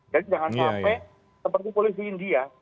jadi jangan sampai seperti polisi india